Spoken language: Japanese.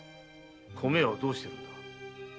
米はどうしてるのだ？